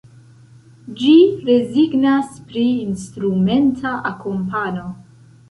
Ĝi rezignas pri instrumenta akompano.